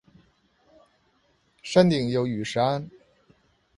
山顶有雨石庵。